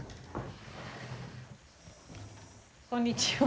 こんにちは。